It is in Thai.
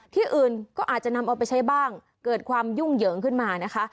ที่อื่นก็อาจจะนำเอาไปใช้บ้างเกิดความยุ่งเหยิงขึ้นมานะคะ